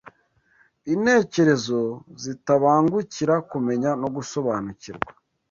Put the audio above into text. Intekerezo zitabangukira kumenya no gusobanukirwa